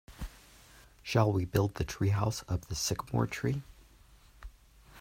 Shall we build the treehouse up this sycamore tree?